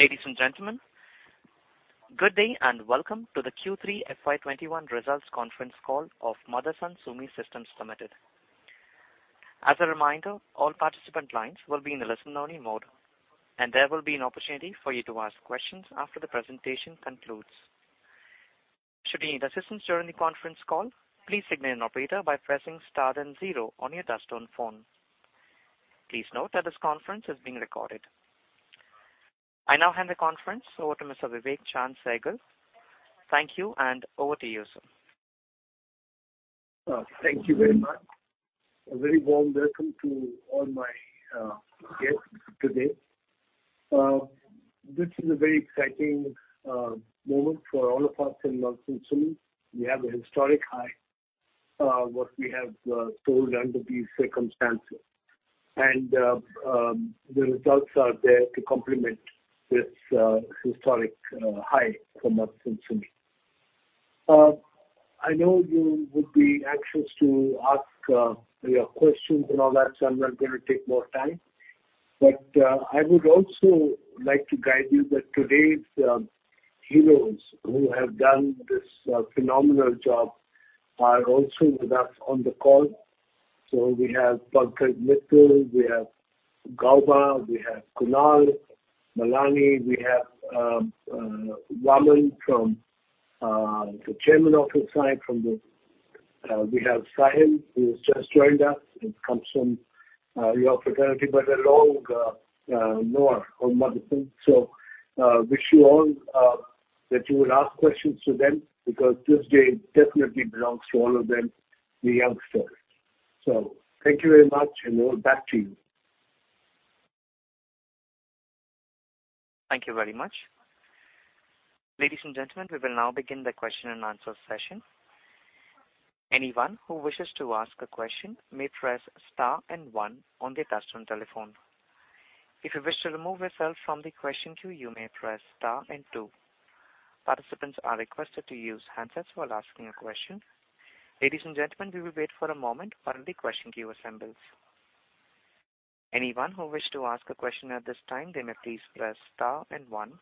Ladies and gentlemen, good day and welcome to the Q3 FY21 results conference call of Motherson Sumi Systems Limited. As a reminder, all participant lines will be in the listen-only mode, and there will be an opportunity for you to ask questions after the presentation concludes. Should you need assistance during the conference call, please signal an operator by pressing star then zero on your touch-tone phone. Please note that this conference is being recorded. I now hand the conference over to Mr. Vivek Chaand Sehgal. Thank you, and over to you, sir. Thank you very much. A very warm welcome to all my guests today. This is a very exciting moment for all of us in Motherson Sumi. We have a historic high of what we have stalled under these circumstances, and the results are there to complement this historic high for Motherson Sumi. I know you would be anxious to ask your questions and all that, so I'm not going to take more time. But I would also like to guide you that today's heroes who have done this phenomenal job are also with us on the call. So we have Pankaj Mital, we have Gauba, we have Kunal Malani, we have Vaaman from the chairman's office side, from the, we have Sahil, who has just joined us and comes from your fraternity, but a long, long, long Motherson. I wish you all that you will ask questions to them because this day definitely belongs to all of them, the youngsters. Thank you very much, and we'll be back to you. Thank you very much. Ladies and gentlemen, we will now begin the question and answer session. Anyone who wishes to ask a question may press star and one on the touch-tone telephone. If you wish to remove yourself from the question queue, you may press star and two. Participants are requested to use handsets while asking a question. Ladies and gentlemen, we will wait for a moment while the question queue assembles. Anyone who wishes to ask a question at this time, they may please press star and one.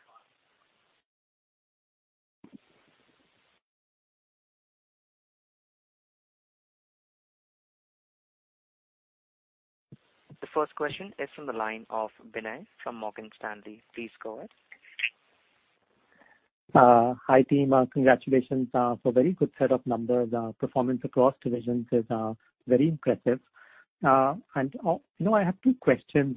The first question is from the line of Vinay from Morgan Stanley. Please go ahead. Hi team, congratulations for a very good set of numbers. Performance across divisions is very impressive. And I have two questions.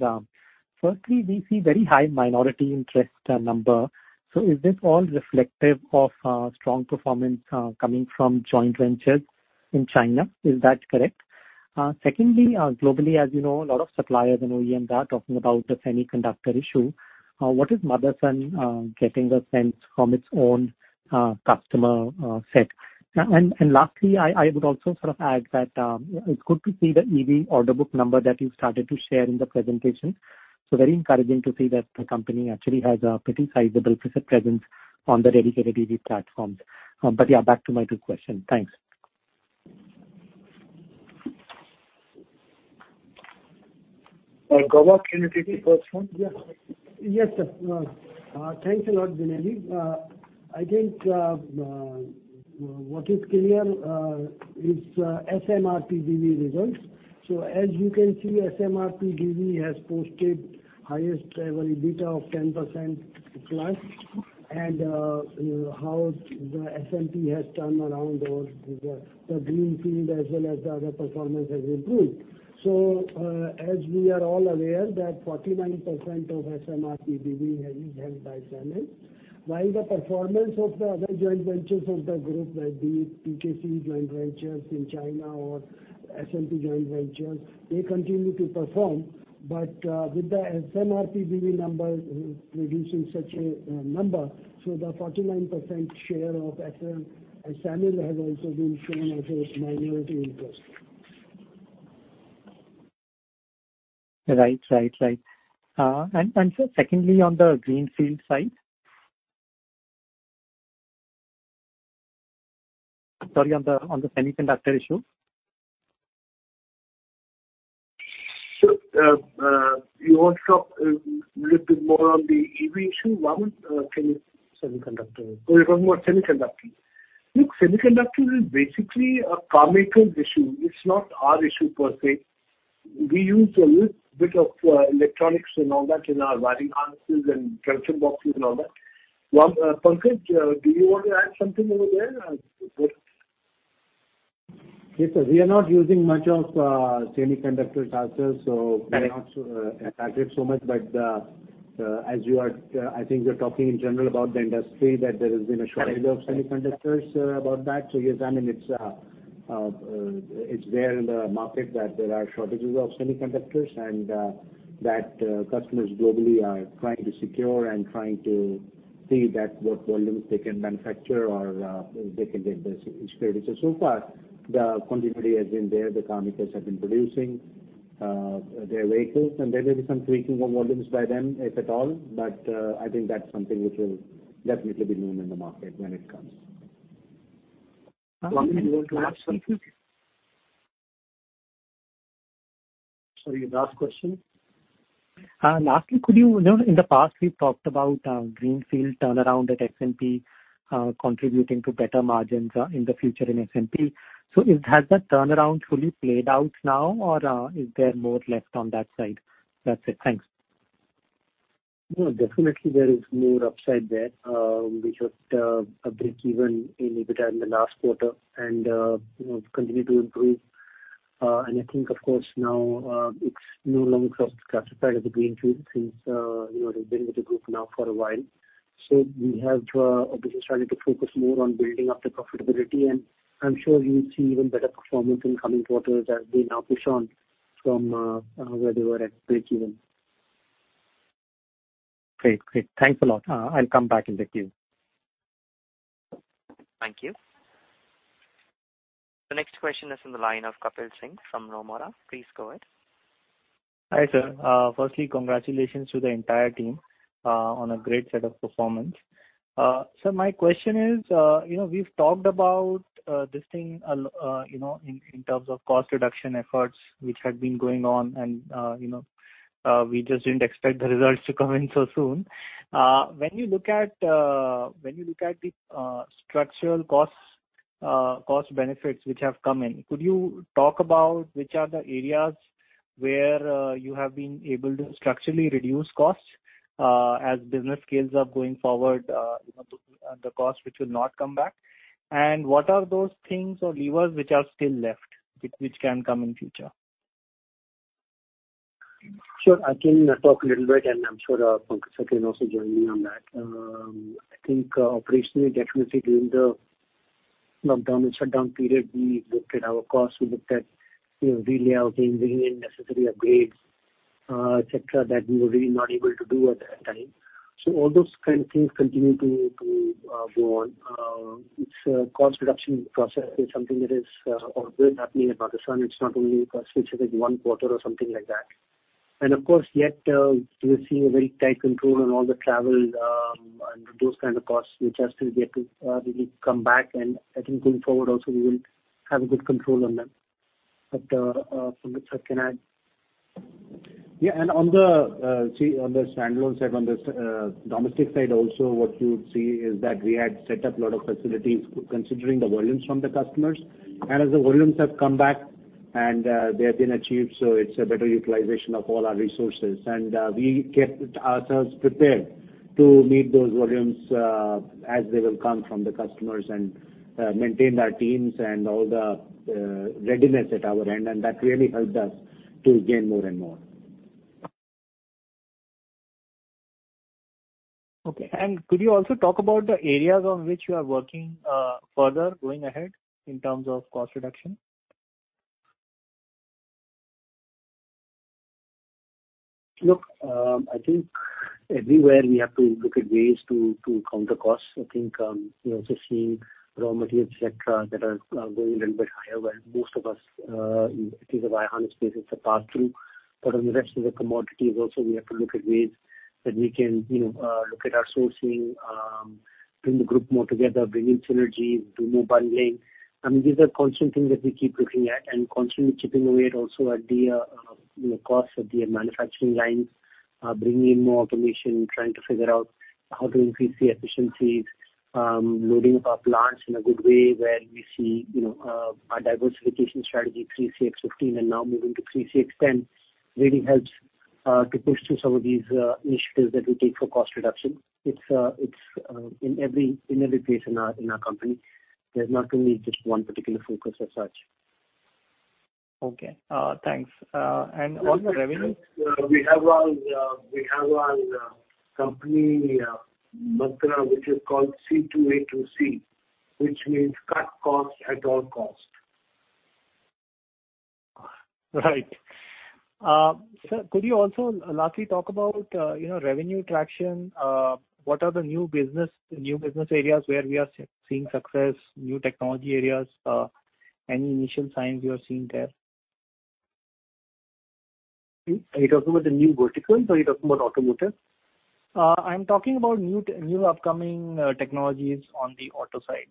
Firstly, we see a very high minority interest number. So is this all reflective of strong performance coming from joint ventures in China? Is that correct? Secondly, globally, as you know, a lot of suppliers and OEMs are talking about the semiconductor issue. What is Motherson getting a sense from its own customer set? And lastly, I would also sort of add that it's good to see the EV order book number that you've started to share in the presentation. So very encouraging to see that the company actually has a pretty sizable presence on the dedicated EV platforms. But yeah, back to my two questions. Thanks. Gauba, can you take the first one? Yes, sir. Thanks a lot, Vinay. I think what is clear is SMRPBV results. So as you can see, SMRPBV has posted highest EBITDA of 10%+, and how the SMP has turned around or the greenfield as well as the other performance has improved. So as we are all aware that 49% of SMRPBV is held by Siemens, while the performance of the other joint ventures of the group, whether it be PKC joint ventures in China or SMP joint ventures, they continue to perform. But with the SMRPBV number producing such a number, so the 49% share of SMRPBV has also been shown as a minority interest. Right, right, right. And sir, secondly, on the greenfield side? Sorry, on the semiconductor issue? Sir, you want to talk a little bit more on the EV issue? Waman, can you? Semiconductor issue. Oh, you're talking about semiconductors. Look, semiconductors is basically a car maker's issue. It's not our issue per se. We use a little bit of electronics and all that in our wiring harnesses and junction boxes and all that. Pankaj, do you want to add something over there? Yes, sir. We are not using much of semiconductors, sir. So we're not affected so much. But as you are, I think you're talking in general about the industry that there has been a shortage of semiconductors, about that. So yes, I mean, it's there in the market that there are shortages of semiconductors and that customers globally are trying to secure and trying to see what volumes they can manufacture or they can get the security. So so far, the continuity has been there. The car makers have been producing their vehicles, and there may be some tweaking of volumes by them, if at all. But I think that's something which will definitely be known in the market when it comes. Waman, do you want to ask something? Sorry, last question. Lastly, could you note in the past we've talked about greenfield turnaround at SMP contributing to better margins in the future in SMP? So has that turnaround fully played out now, or is there more left on that side? That's it. Thanks. No, definitely there is more upside there. We hit a break-even in EBITDA in the last quarter and continue to improve, and I think, of course, now it's no longer classified as a greenfield since it's been with the group now for a while, so we have started to focus more on building up the profitability, and I'm sure you'll see even better performance in coming quarters as they now push on from where they were at break-even. Great, great. Thanks a lot. I'll come back and take you. Thank you. The next question is from the line of Kapil Singh from Nomura. Please go ahead. Hi sir. Firstly, congratulations to the entire team on a great set of performance. Sir, my question is, we've talked about this thing in terms of cost reduction efforts which had been going on, and we just didn't expect the results to come in so soon. When you look at the structural cost benefits which have come in, could you talk about which are the areas where you have been able to structurally reduce costs as business scales up going forward, the costs which will not come back, and what are those things or levers which are still left which can come in future? Sure. I can talk a little bit, and I'm sure Pankaj Sir can also join me on that. I think operationally, definitely during the lockdown and shutdown period, we looked at our costs. We looked at relayouting, bringing in necessary upgrades, etc., that we were really not able to do at that time. So all those kind of things continue to go on. It's a cost reduction process. It's something that is always happening at Motherson. It's not only for a specific one quarter or something like that. And of course, yet we're seeing a very tight control on all the travel and those kinds of costs which has to get to really come back. And I think going forward also, we will have a good control on them. But Pankaj Sir, can I? Yeah. And on the standalone side, on the domestic side also, what you would see is that we had set up a lot of facilities considering the volumes from the customers. And as the volumes have come back and they have been achieved, so it's a better utilization of all our resources. And we kept ourselves prepared to meet those volumes as they will come from the customers and maintained our teams and all the readiness at our end. And that really helped us to gain more and more. Okay. And could you also talk about the areas on which you are working further going ahead in terms of cost reduction? Look, I think everywhere we have to look at ways to counter costs. I think we're also seeing raw materials, etc., that are going a little bit higher where most of us, it is a warehouse space, it's a pass-through, but on the rest of the commodities also, we have to look at ways that we can look at our sourcing, bring the group more together, bring in synergies, do more bundling. I mean, these are constant things that we keep looking at and constantly chipping away at also at the costs of the manufacturing lines, bringing in more automation, trying to figure out how to increase the efficiencies, loading up our plants in a good way where we see our diversification strategy 3CX15 and now moving to 3CX10 really helps to push through some of these initiatives that we take for cost reduction. It's in every place in our company. There's not only just one particular focus as such. Okay. Thanks. And on revenue? We have our company mantra, which is called C2A2C, which means cut cost at all costs. Right. Sir, could you also lastly talk about revenue traction? What are the new business areas where we are seeing success, new technology areas? Any initial signs you are seeing there? Are you talking about the new verticals or are you talking about automotive? I'm talking about new upcoming technologies on the auto side.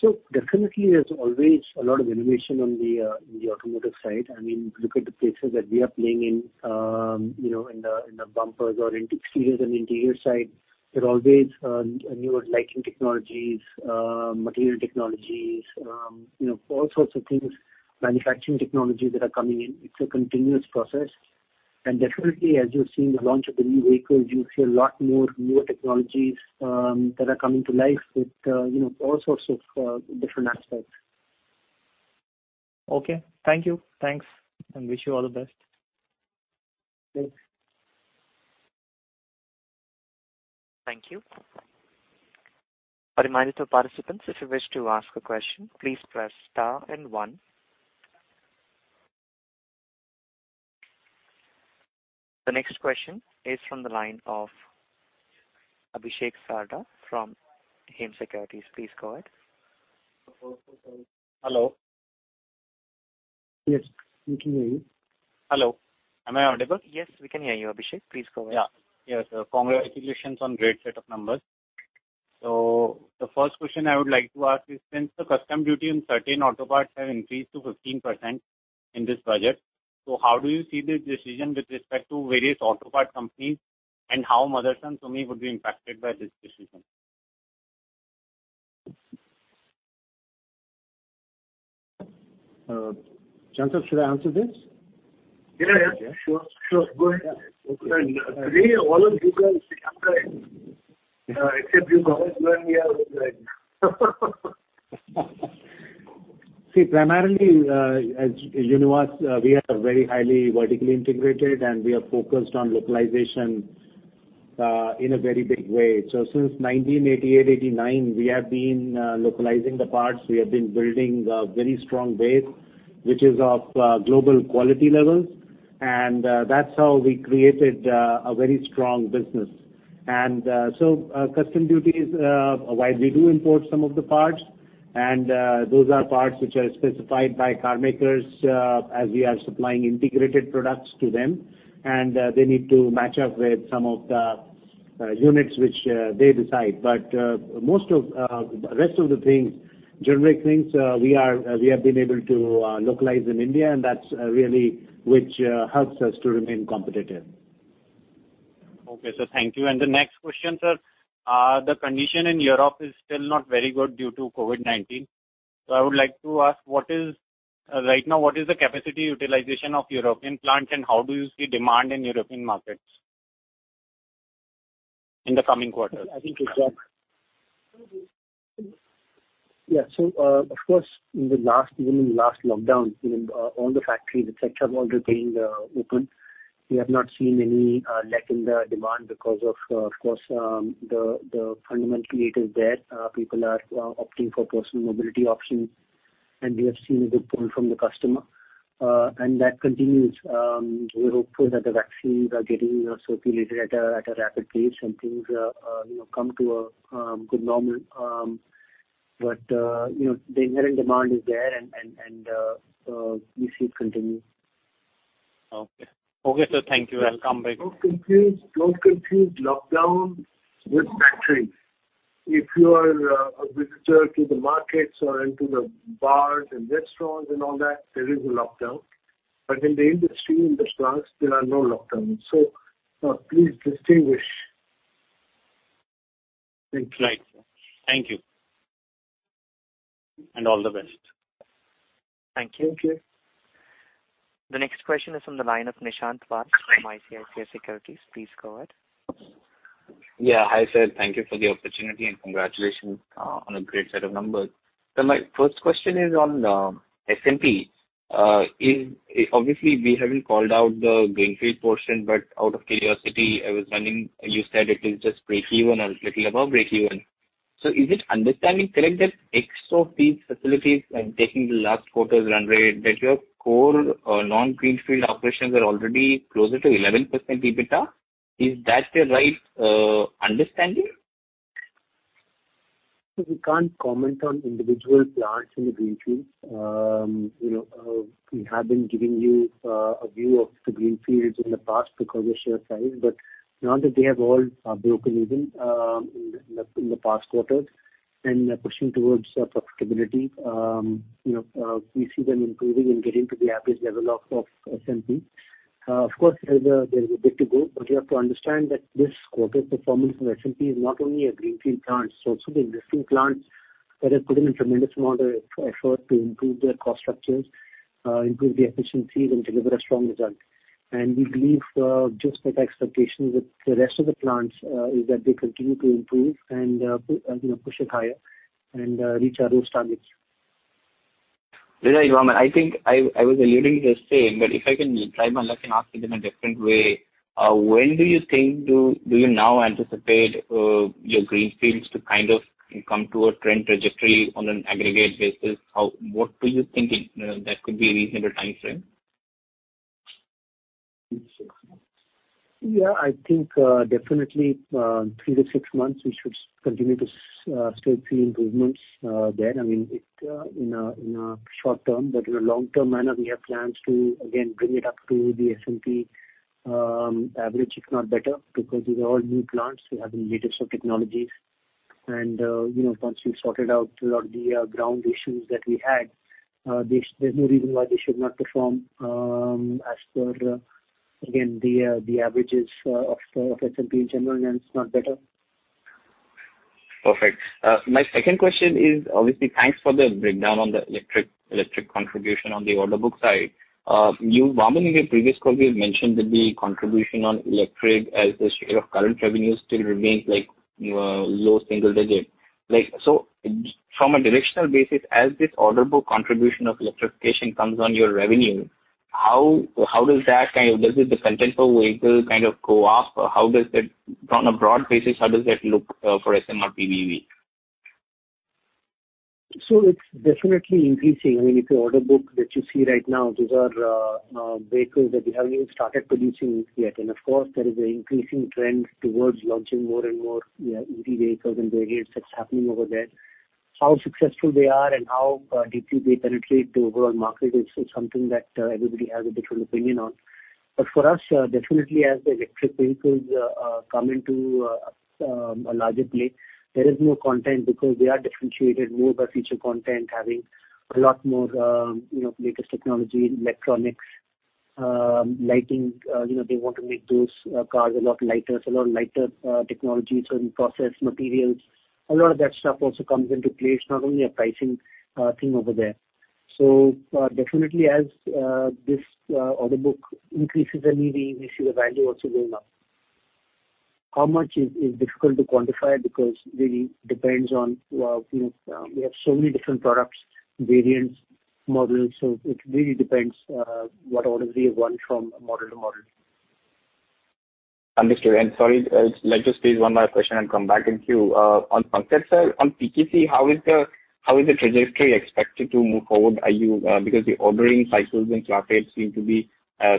So definitely, there's always a lot of innovation on the automotive side. I mean, look at the places that we are playing in, in the bumpers or interiors and interior side. There are always newer lighting technologies, material technologies, all sorts of things, manufacturing technologies that are coming in. It's a continuous process. And definitely, as you're seeing the launch of the new vehicles, you'll see a lot more newer technologies that are coming to life with all sorts of different aspects. Okay. Thank you. Thanks, and wish you all the best. Thanks. Thank you. A reminder to participants, if you wish to ask a question, please press star and one. The next question is from the line of Abhishek Sardar from Hem Securities. Please go ahead. Hello. Yes, we can hear you. Hello. Am I audible? Yes, we can hear you, Abhishek. Please go ahead. Yeah. Yes. Congratulations on great set of numbers. So the first question I would like to ask is, since the customs duty on certain auto parts has increased to 15% in this budget, so how do you see the decision with respect to various auto part companies and how Motherson Sumi would be impacted by this decision? Chaand Sir, should I answer this? Yeah, yeah. Sure. Sure. Go ahead. Today, all of you guys except you, Congressman, we are all driving. See, primarily, as you know, we are very highly vertically integrated, and we are focused on localization in a very big way. So since 1988, 1989, we have been localizing the parts. We have been building a very strong base, which is of global quality levels, and that's how we created a very strong business, and so customs duty is wide. We do import some of the parts, and those are parts which are specified by car makers as we are supplying integrated products to them, and they need to match up with some of the units which they decide. But most of the rest of the things, generic things, we have been able to localize in India, and that's really which helps us to remain competitive. Okay. So thank you. And the next question, sir: the condition in Europe is still not very good due to COVID-19. So I would like to ask, right now, what is the capacity utilization of European plants, and how do you see demand in European markets in the coming quarters? Yeah, so of course, in the last lockdown, all the factories, etc., have already been open. We have not seen any lag in the demand because of, of course, the fundamental need is there. People are opting for personal mobility options, and we have seen a good pull from the customer, and that continues. We're hopeful that the vaccines are getting circulated at a rapid pace and things come to a good normal, but the inherent demand is there, and we see it continue. Okay. Okay. So thank you. I'll come back. Don't confuse lockdown with factory. If you are a visitor to the markets or into the bars and restaurants and all that, there is a lockdown. But in the industry, in the suburbs, there are no lockdowns. So please distinguish. Thank you. Right. Thank you. And all the best. Thank you. Thank you. The next question is from the line of Nishant Vass from ICICI Securities. Please go ahead. Yeah. Hi sir. Thank you for the opportunity and congratulations on a great set of numbers. So my first question is on SMP. Obviously, we haven't called out the greenfield portion, but out of curiosity, I was wondering, you said it is just break-even or a little above break-even. So is my understanding that ex of these facilities and taking the last quarter's run rate, that your core non-greenfield operations are already closer to 11% EBITDA? Is that the right understanding? We can't comment on individual plants in the greenfield. We have been giving you a view of the greenfields in the past because of sheer size, but now that they have all broken even in the past quarters and pushing towards profitability, we see them improving and getting to the average level of SMP. Of course, there's a bit to go, but you have to understand that this quarter's performance for SMP is not only a greenfield plant. It's also the existing plants that have put in a tremendous amount of effort to improve their cost structures, improve the efficiencies, and deliver a strong result, and we believe just that expectation with the rest of the plants is that they continue to improve and push it higher and reach our growth targets. Lila Irwan, I think I was alluding to the same, but if I can try my luck and ask it in a different way, when do you think you now anticipate your greenfields to kind of come to a trend trajectory on an aggregate basis? What do you think that could be a reasonable time frame? Yeah. I think definitely three to six months, we should continue to still see improvements there. I mean, in a short term, but in a long-term manner, we have plans to, again, bring it up to the SMP average, if not better, because these are all new plants. We have the latest technologies, and once we sorted out a lot of the ground issues that we had, there's no reason why they should not perform as per, again, the averages of SMP in general, and it's not better. Perfect. My second question is, obviously, thanks for the breakdown on the electric contribution on the order book side. You, Raman, in your previous call, you mentioned that the contribution on electric as the share of current revenue still remains low single digit. So from a directional basis, as this order book contribution of electrification comes on your revenue, how does that kind of, does the content of the vehicle kind of go up? Or how does that, on a broad basis, how does that look for SMRPBV? So it's definitely increasing. I mean, if you order book that you see right now, these are vehicles that we haven't even started producing yet. And of course, there is an increasing trend towards launching more and more EV vehicles and variants that's happening over there. How successful they are and how deeply they penetrate the overall market is something that everybody has a different opinion on. But for us, definitely, as the electric vehicles come into a larger play, there is more content because they are differentiated more by feature content, having a lot more latest technology, electronics, lighting. They want to make those cars a lot lighter, so a lot of lighter technologies, certain process materials. A lot of that stuff also comes into play, it's not only a pricing thing over there. So definitely, as this order book increases and we see the value also going up. How much is difficult to quantify because really depends on we have so many different products, variants, models. So it really depends what order we have gone from model to model. Understood. And sorry, let me just phrase one more question and come back in queue. On Pankaj Sir, on PKC, how is the trajectory expected to move forward? Because the ordering cycles in Clark Heights seem to be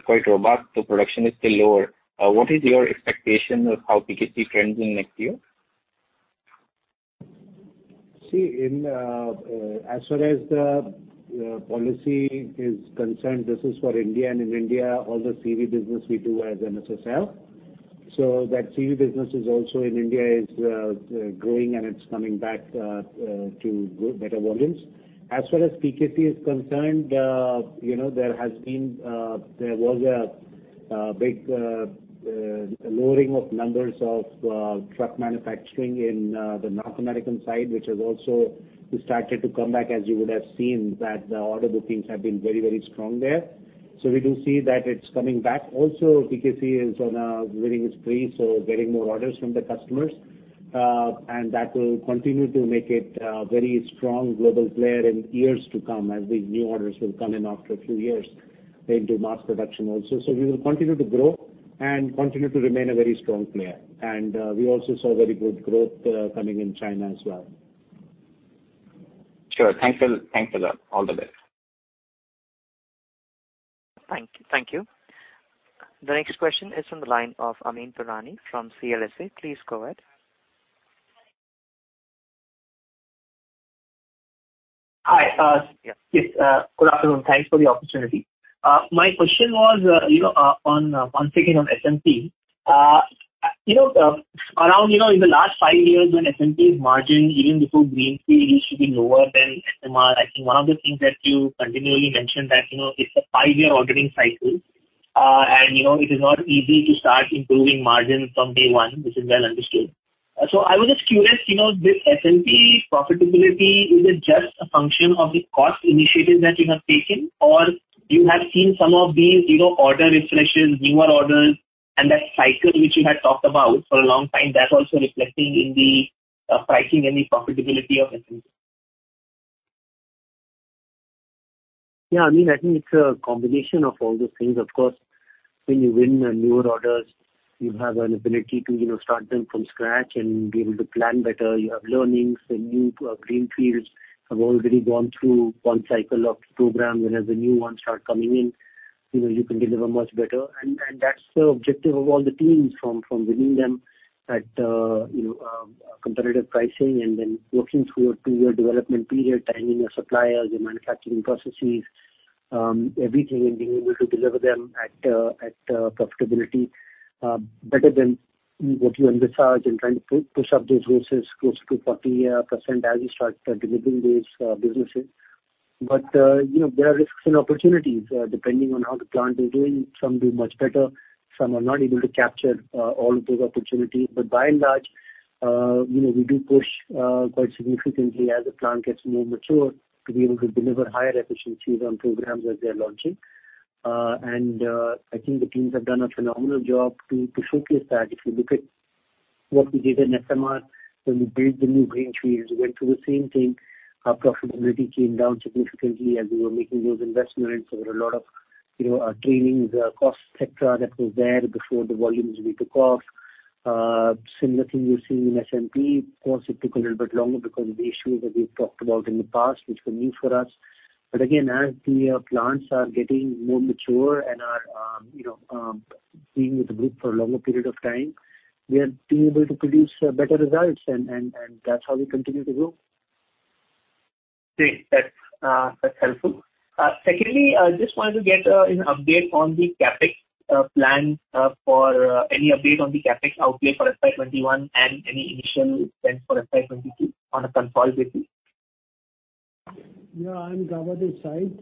quite robust, the production is still lower. What is your expectation of how PKC trends in next year? See, as far as the policy is concerned, this is for India and in India, all the CV business we do as MSSL. So that CV business is also in India is growing and it's coming back to better volumes. As far as PKC is concerned, there was a big lowering of numbers of truck manufacturing in the North American side, which has also started to come back as you would have seen that the order bookings have been very, very strong there. So we do see that it's coming back. Also, PKC is on a winning spree, so getting more orders from the customers. And that will continue to make it a very strong global player in years to come as these new orders will come in after a few years into mass production also. So we will continue to grow and continue to remain a very strong player. And we also saw very good growth coming in China as well. Sure. Thanks a lot. All the best. Thank you. The next question is from the line of Amyn Pirani from CLSA. Please go ahead. Hi. Yes. Good afternoon. Thanks for the opportunity. My question was on taking on SMP. Around in the last five years when SMP's margin even before greenfield used to be lower than SMR, I think one of the things that you continually mentioned that it's a five-year ordering cycle and it is not easy to start improving margin from day one, which is well understood. So I was just curious, this SMP profitability, is it just a function of the cost initiative that you have taken or you have seen some of these order refreshes, newer orders, and that cycle which you had talked about for a long time, that's also reflecting in the pricing and the profitability of SMP? Yeah. I mean, I think it's a combination of all those things. Of course, when you win newer orders, you have an ability to start them from scratch and be able to plan better. You have learnings. The new greenfields have already gone through one cycle of program. Whenever the new ones start coming in, you can deliver much better. And that's the objective of all the teams from winning them at competitive pricing and then working through a two-year development period, timing your suppliers, your manufacturing processes, everything, and being able to deliver them at profitability better than what you envisaged and trying to push up those margins closer to 40% as you start delivering these businesses. But there are risks and opportunities depending on how the plant is doing. Some do much better. Some are not able to capture all of those opportunities. By and large, we do push quite significantly as the plant gets more mature to be able to deliver higher efficiencies on programs as they're launching. I think the teams have done a phenomenal job to showcase that. If you look at what we did in SMR when we built the new greenfields, we went through the same thing. Our profitability came down significantly as we were making those investments. There were a lot of trainings, costs, etc., that were there before the volumes we took off. Similar thing you're seeing in SMP. Of course, it took a little bit longer because of the issues that we've talked about in the past, which were new for us. But again, as the plants are getting more mature and are being with the group for a longer period of time, we are being able to produce better results, and that's how we continue to grow. Thanks. That's helpful. Secondly, I just wanted to get an update on the CAPEX plan for any update on the CAPEX outlay for FY21 and any initial spend for SI22 on a consolidated basis. Yeah. I'm Gawad Hussain.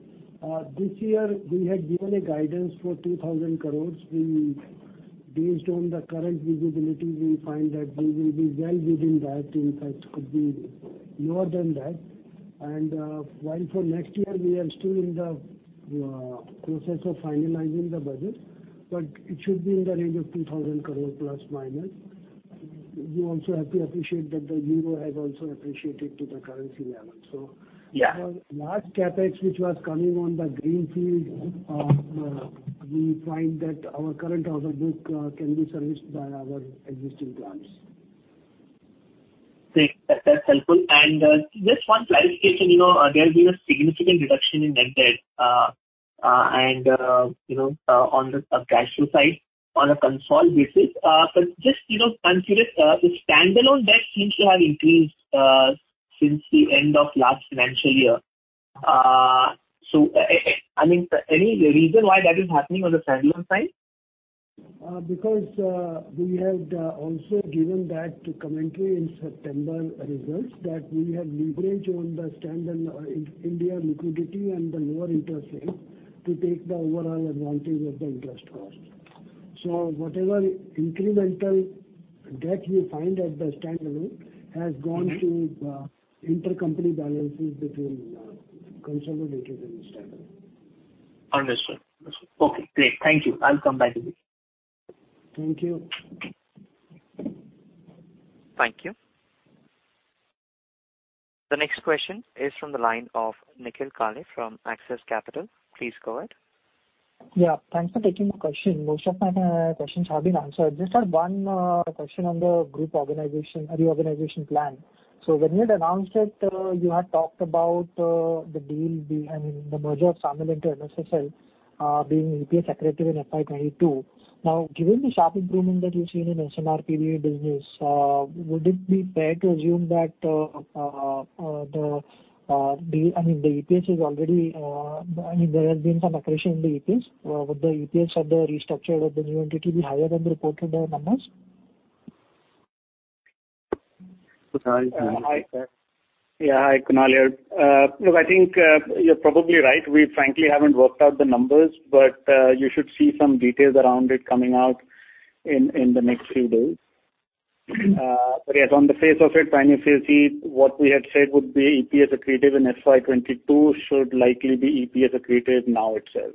This year, we had given a guidance for 2,000 crores. Based on the current visibility, we find that we will be well within that. In fact, could be lower than that. And while for next year, we are still in the process of finalizing the budget, but it should be in the range of 2,000 crores plus minus. You also have to appreciate that the euro has also appreciated to the currency level. So for last CapEx, which was coming on the greenfield, we find that our current order book can be serviced by our existing plants. Thanks. That's helpful. And just one clarification. There has been a significant reduction in net debt on the cash flow side on a consolidated basis. But just, I'm curious, the standalone debt seems to have increased since the end of last financial year. So I mean, any reason why that is happening on the standalone side? Because we had also given that commentary in September results that we have leverage on the standalone India liquidity and the lower interest rate to take the overall advantage of the interest cost. So whatever incremental debt you find at the standalone has gone to intercompany balances between consolidated and standalone. Understood. Okay. Great. Thank you. I'll come back with you. Thank you. Thank you. The next question is from the line of Nikhil Kale from Axis Capital. Please go ahead. Yeah. Thanks for taking my question. Most of my questions have been answered. Just had one question on the group organization reorganization plan. So when you had announced it, you had talked about the deal, I mean, the merger of SAMIL into MSSL being EPS accretive in FY22. Now, given the sharp improvement that you've seen in SMRPBV business, would it be fair to assume that the deal, I mean, the EPS is already I mean, there has been some accretion in the EPS. Would the EPS of the restructured of the new entity be higher than the reported numbers? Yeah. Hi, Kunal here. Look, I think you're probably right. We frankly haven't worked out the numbers, but you should see some details around it coming out in the next few days. But yes, on the face of it, when you see what we had said would be EPS accretive in FY22 should likely be EPS accretive now itself.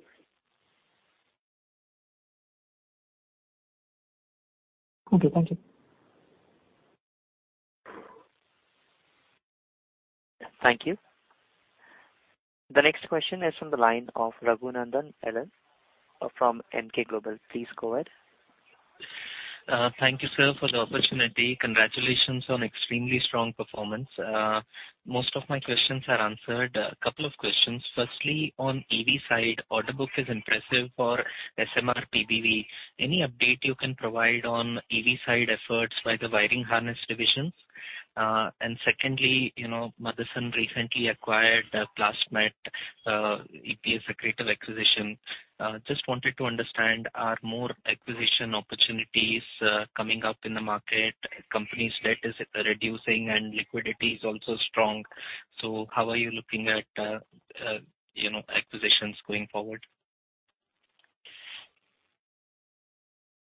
Okay. Thank you. Thank you. The next question is from the line of Raghunandan N.L. from Emkay Global. Please go ahead. Thank you, sir, for the opportunity. Congratulations on extremely strong performance. Most of my questions are answered. A couple of questions. Firstly, on EV side, order book is impressive for SMRPBV. Any update you can provide on EV side efforts by the wiring harness divisions? And secondly, Motherson recently acquired Plast Met EPS accretive acquisition. Just wanted to understand, are more acquisition opportunities coming up in the market? Company's debt is reducing and liquidity is also strong. So how are you looking at acquisitions going forward?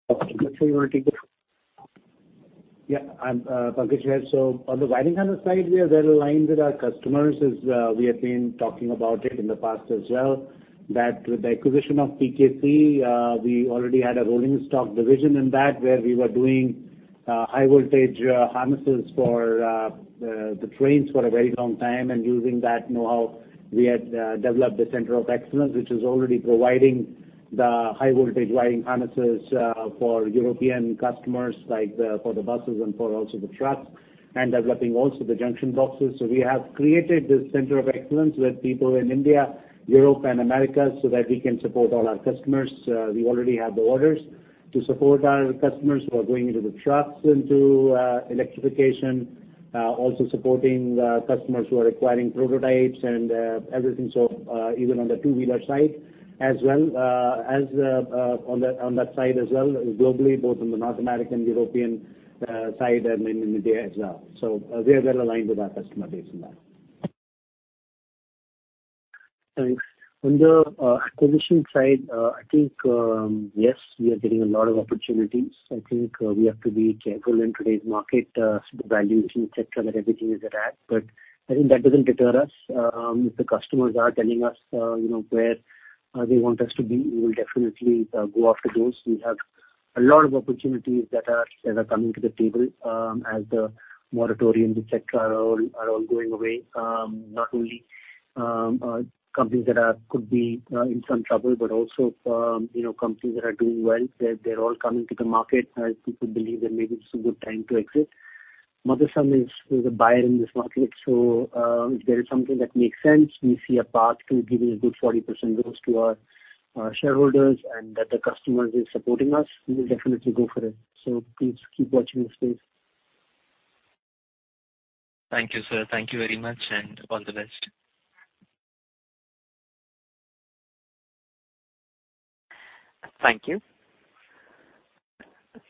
Over to you, Pankaj. Yeah. I'm Pankaj Mital. So on the wiring harness side, we are well aligned with our customers as we have been talking about it in the past as well. That, with the acquisition of PKC, we already had a rolling stock division in that where we were doing high-voltage harnesses for the trains for a very long time. And using that know-how, we had developed the Center of Excellence, which is already providing the high-voltage wiring harnesses for European customers like for the buses and for also the trucks and developing also the junction boxes. So we have created this Center of Excellence with people in India, Europe, and America so that we can support all our customers. We already have the orders to support our customers who are going into the trucks into electrification, also supporting customers who are acquiring prototypes and everything. So even on the two-wheeler side as well as on that side as well globally, both on the North American and European side and in India as well. So we are well aligned with our customer base in that. Thanks. On the acquisition side, I think yes, we are getting a lot of opportunities. I think we have to be careful in today's market, the valuation, etc., that everything is at a premium. But I think that doesn't deter us. If the customers are telling us where they want us to be, we will definitely go after those. We have a lot of opportunities that are coming to the table as the moratoriums, etc., are all going away. Not only companies that could be in some trouble, but also companies that are doing well. They're all coming to the market as people believe that maybe it's a good time to exit. Motherson is a buyer in this market. So if there is something that makes sense, we see a path to giving a good 40% growth to our shareholders and that the customers are supporting us, we will definitely go for it. So please keep watching this space. Thank you, sir. Thank you very much and all the best. Thank you.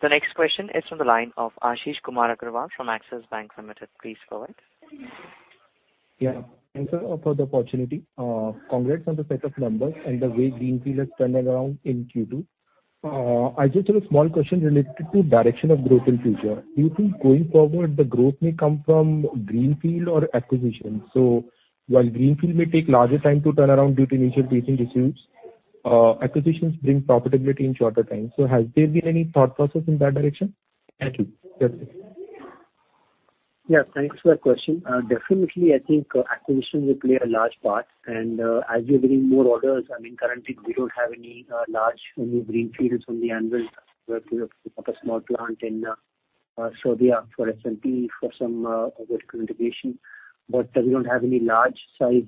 The next question is from the line of Ashish Kumar Agrawal from Axis Bank Limited. Please go ahead. Yeah. Thanks for the opportunity. Congrats on the set of numbers and the way greenfield is turning around in Q2. I just have a small question related to direction of growth in future. Do you think going forward the growth may come from greenfield or acquisitions? So while greenfield may take larger time to turn around due to initial teething issues, acquisitions bring profitability in shorter time. So has there been any thought process in that direction? Thank you. Yes. Thanks for that question. Definitely, I think acquisitions will play a large part, and as we are getting more orders, I mean, currently we don't have any large new greenfields on the anvil. We have a small plant in Serbia for SMP for some vertical integration, but we don't have any large-size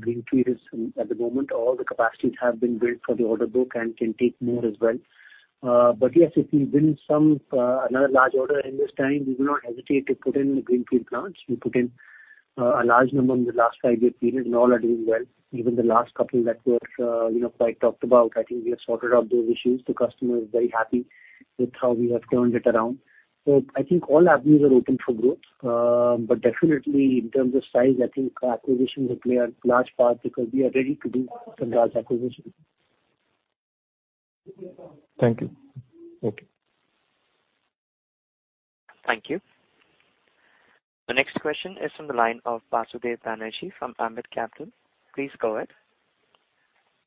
greenfields at the moment. All the capacities have been built for the order book and can take more as well, but yes, if we win another large order in this time, we will not hesitate to put in greenfield plants. We put in a large number in the last five-year period and all are doing well. Even the last couple that were quite talked about, I think we have sorted out those issues. The customer is very happy with how we have turned it around, so I think all avenues are open for growth. But, definitely, in terms of size, I think acquisitions will play a large part because we are ready to do some large acquisitions. Thank you. Okay. Thank you. The next question is from the line of Basudeb Banerjee from Ambit Capital. Please go ahead.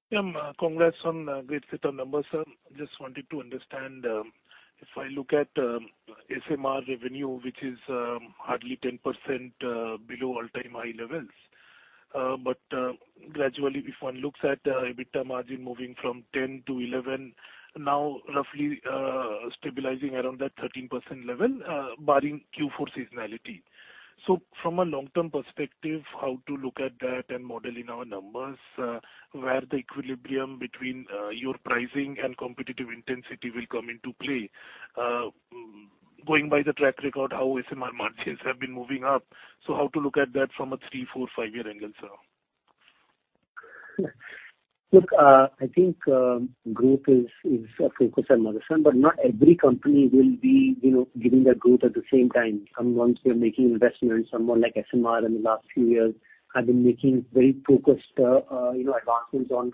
Yeah. Congrats on great beat on numbers, sir. Just wanted to understand if I look at SMR revenue, which is hardly 10% below all-time high levels. But gradually, if one looks at EBITDA margin moving from 10% to 11%, now roughly stabilizing around that 13% level barring Q4 seasonality. So from a long-term perspective, how to look at that and model in our numbers where the equilibrium between your pricing and competitive intensity will come into play? Going by the track record, how SMR margins have been moving up. So how to look at that from a three, four, five-year angle, sir? Look, I think growth is focused on Motherson, but not every company will be giving their growth at the same time. Some ones who are making investments, someone like SMR in the last few years have been making very focused advancements on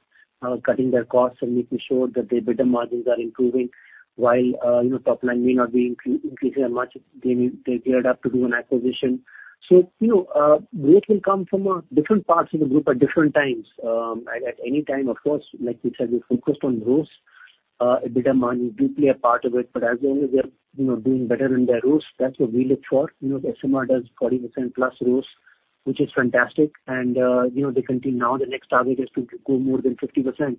cutting their costs and making sure that their EBITDA margins are improving while top line may not be increasing that much if they geared up to do an acquisition. So growth will come from different parts of the group at different times. At any time, of course, like we said, we're focused on growth. EBITDA margins do play a part of it. But as long as they're doing better in their growth, that's what we look for. SMR does 40% plus growth, which is fantastic. They continue now. The next target is to go more than 50%.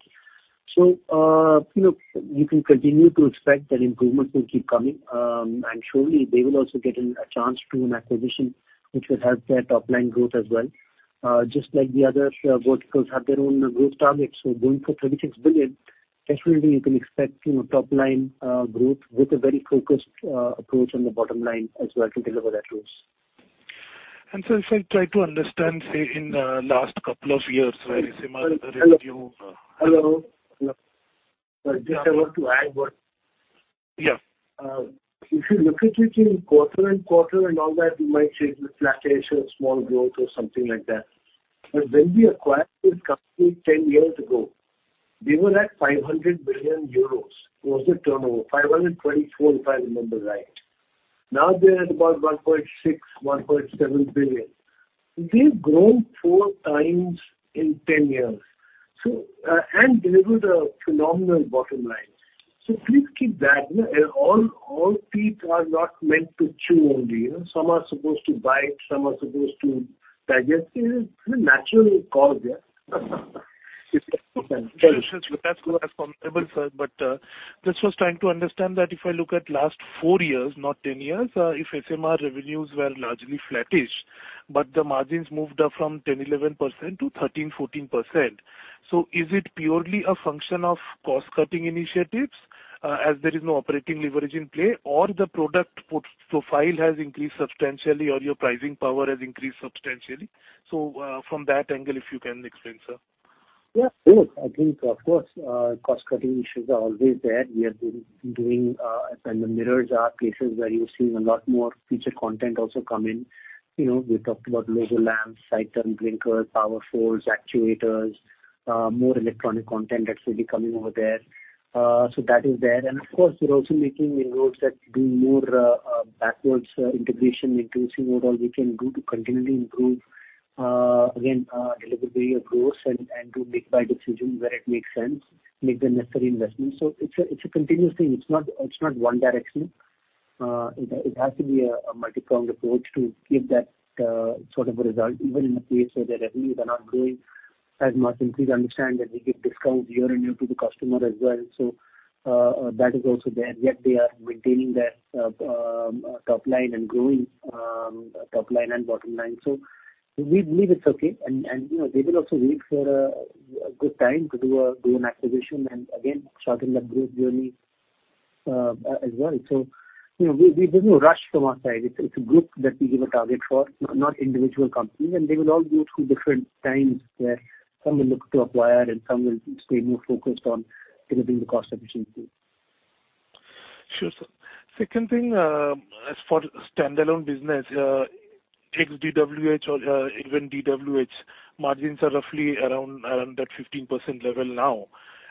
So you can continue to expect that improvements will keep coming. And surely, they will also get a chance to do an acquisition, which will help their top line growth as well. Just like the other verticals have their own growth targets. So going for 36 billion, definitely you can expect top line growth with a very focused approach on the bottom line as well to deliver that growth. Sir, if I try to understand, say, in the last couple of years where SMR's revenue... Hello. Just, I want to add what... Yeah. If you look at it in quarter and quarter and all that, you might say it's a flattish or small growth or something like that. But when we acquired this company 10 years ago, they were at 500 million euros. Was the turnover? 524 million, if I remember right. Now they're at about 1.6 billion - 1.7 billion. They've grown four times in 10 years and delivered a phenomenal bottom line. So please keep that. All teeth are not meant to chew only. Some are supposed to bite. Some are supposed to digest. It's a natural course, yeah. That's very interesting. That's valuable, sir. But just was trying to understand that if I look at last four years, not 10 years, if SMR revenues were largely flattish, but the margins moved up from 10%-11% to 13%-14%. So is it purely a function of cost-cutting initiatives as there is no operating leverage in play, or the product profile has increased substantially, or your pricing power has increased substantially? So from that angle, if you can explain, sir. Yeah. Sure. I think, of course, cost-cutting issues are always there. We have been doing, and the mirrors are places where you're seeing a lot more feature content also come in. We talked about logo lamps, side-turn blinkers, power folds, actuators, more electronic content that's really coming over there. So that is there. And of course, we're also making inroads at doing more backward integration into seeing what all we can do to continually improve, again, deliver the growth and do make-buy decisions where it makes sense, make the necessary investments. So it's a continuous thing. It's not one direction. It has to be a multi-pronged approach to give that sort of a result, even in a case where the revenues are not growing as much. And please understand that we give discounts year on year to the customer as well. So that is also there. Yet they are maintaining their top line and growing top line and bottom line. So we believe it's okay. And they will also wait for a good time to do an acquisition and, again, shorten that growth journey as well. So we don't rush from our side. It's a group that we give a target for, not individual companies. And they will all go through different times where some will look to acquire and some will stay more focused on delivering the cost efficiency. Sure, sir. Second thing as for standalone business, ex-DWH or even DWH, margins are roughly around that 15% level now,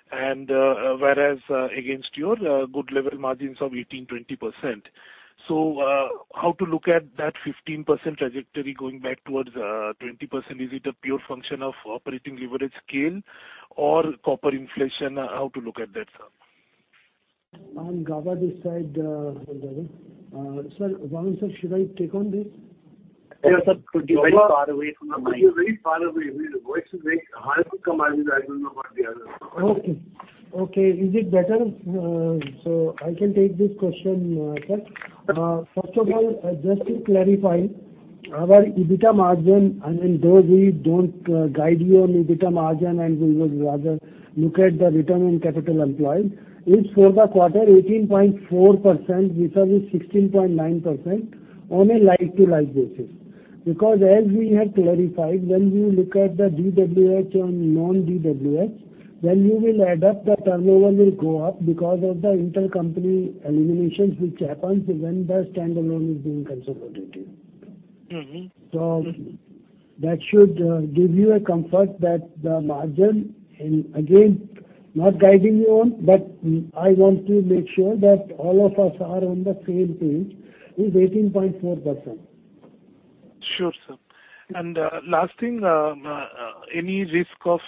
whereas against your good level margins of 18%-20%. So how to look at that 15% trajectory going back towards 20%? Is it a pure function of operating leverage scale or corporate inflation? How to look at that, sir? On Gauba this side, sir, should I take on this? Yeah, sir. You're very far away from the mic. You're very far away. Your voice is very hard to come out without knowing about the other. Okay. Okay. Is it better? So I can take this question, sir. First of all, just to clarify, our EBITDA margin, I mean, though we don't guide you on EBITDA margin and we would rather look at the return on capital employed, is for the quarter 18.4% versus 16.9% on a like-to-like basis. Because as we have clarified, when you look at the DWH and non-DWH, then you will add up the turnover will go up because of the intercompany eliminations which happens when the standalone is being consolidated. So that should give you a comfort that the margin, and again, not guiding you on, but I want to make sure that all of us are on the same page, is 18.4%. Sure, sir. And last thing, any risk of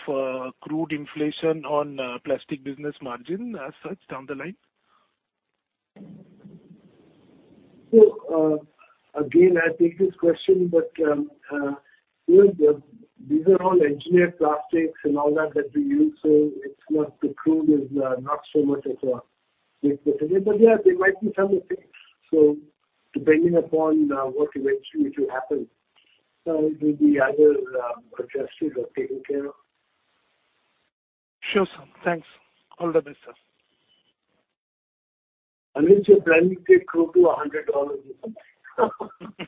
crude inflation on plastic business margin as such down the line? So again, I take this question, but these are all engineered plastics and all that that we use, so it's not the crude is not so much of a risk, but yeah, there might be some effects. So depending upon what eventually will happen, it will be either addressed or taken care of. Sure, sir. Thanks. All the best, sir. Unless you're planning to take crude to $100 or something.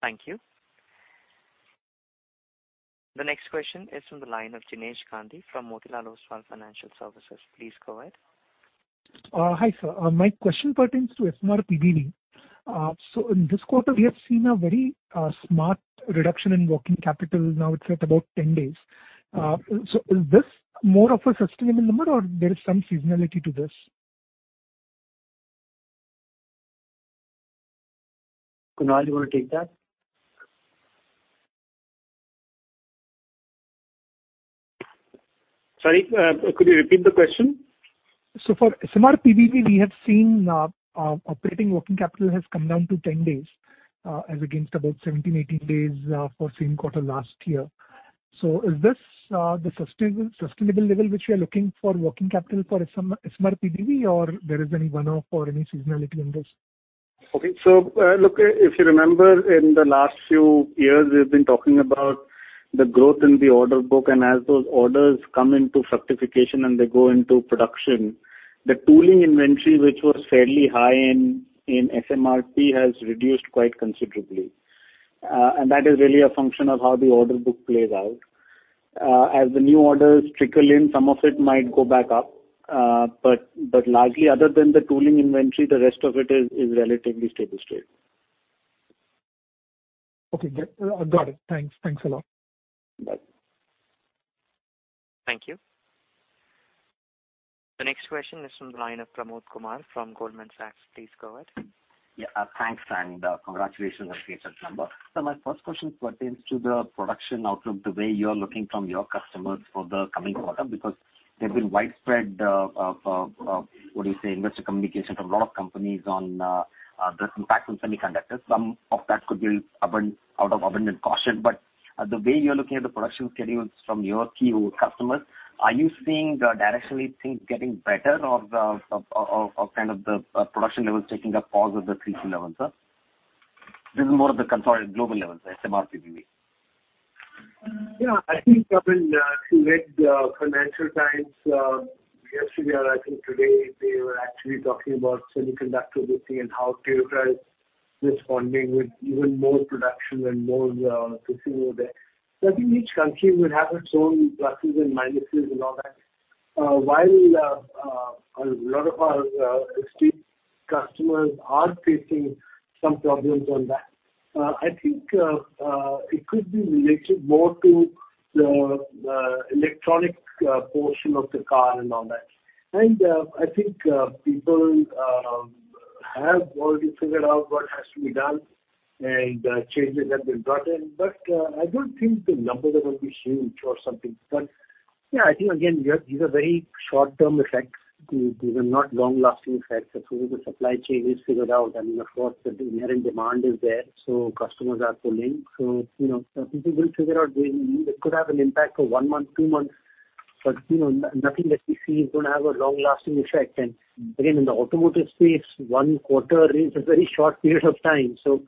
Thank you. The next question is from the line of Ganesh Gandhi from Motilal Oswal Financial Services. Please go ahead. Hi, sir. My question pertains to SMRPBV. So in this quarter, we have seen a very smart reduction in working capital now, it's at about 10 days. So is this more of a sustainable number or there is some seasonality to this? Kunal, you want to take that? Sorry, could you repeat the question? So for SMR PBV, we have seen operating working capital has come down to 10 days as against about 17-18 days for same quarter last year. So is this the sustainable level which we are looking for working capital for SMR PBV, or there is any one-off or any seasonality in this? Okay. So look, if you remember, in the last few years, we've been talking about the growth in the order book. And as those orders come into fructification and they go into production, the tooling inventory, which was fairly high in SMRP, has reduced quite considerably. And that is really a function of how the order book plays out. As the new orders trickle in, some of it might go back up. But largely, other than the tooling inventory, the rest of it is relatively stable state. Okay. Got it. Thanks. Thanks a lot. Bye. Thank you. The next question is from the line of Pramod Kumar from Goldman Sachs. Please go ahead. Yeah. Thanks, and congratulations on the research number. So my first question pertains to the production outlook, the way you are looking from your customers for the coming quarter, because there's been widespread, what do you say, investor communication from a lot of companies on the impact on semiconductors. Some of that could be out of abundant caution. But the way you're looking at the production schedules from your key customers, are you seeing directionally things getting better or kind of the production levels taking a pause at the 3G level, sir? This is more of the global levels, SMRPBV. Yeah. I think I've been reading the Financial Times. Yesterday, I think today, they were actually talking about semiconductor boosting and how to utilize this funding with even more production and more to see more there. So I think each country will have its own pluses and minuses and all that. While a lot of our estate customers are facing some problems on that, I think it could be related more to the electronic portion of the car and all that. And I think people have already figured out what has to be done and changes have been brought in. But I don't think the numbers are going to be huge or something. But yeah, I think, again, these are very short-term effects. These are not long-lasting effects. As soon as the supply chain is figured out, I mean, of course, the inherent demand is there. So customers are pulling. So people will figure out they could have an impact for one month, two months. But nothing that we see is going to have a long-lasting effect. And again, in the automotive space, one quarter is a very short period of time. So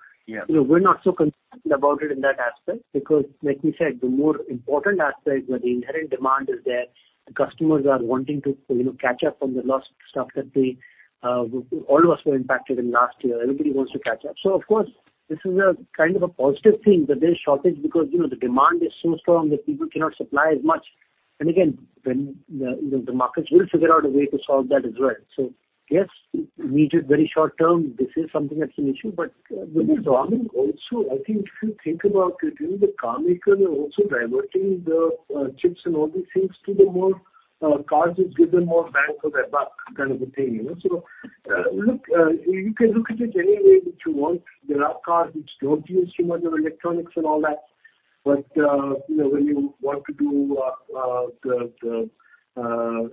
we're not so concerned about it in that aspect because, like we said, the more important aspect where the inherent demand is there, the customers are wanting to catch up on the lost stuff that all of us were impacted in last year. Everybody wants to catch up. So of course, this is kind of a positive thing, but there's shortage because the demand is so strong that people cannot supply as much. And again, the markets will figure out a way to solve that as well. So yes, immediate, very short term, this is something that's an issue. But with the carmakers also, I think if you think about it, the carmakers are also diverting the chips and all these things to the more cars that give them more bang for their buck kind of a thing. So look, you can look at it any way that you want. There are cars which don't use too much of electronics and all that. But when you want to do the